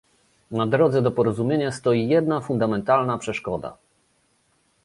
Na drodze do porozumienia stoi jedna fundamentalna przeszkoda